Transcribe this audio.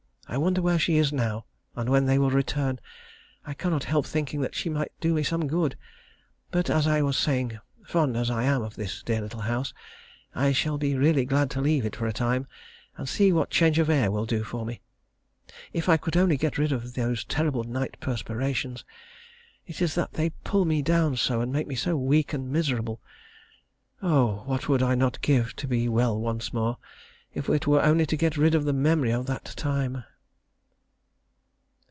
I wonder where she is now, and when they will return. I cannot help thinking she might do me some good. But, as I was saying; fond as I am of this dear little house, I shall be really glad to leave it for a time, and see what change of air will do for me. If I could only get rid of those terrible night perspirations. It is they that pull me down so, and make me so weak and miserable. Oh! what would I not give to be well once more, if it were only to get rid of the memory of that time.